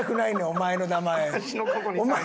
お前の名前一番。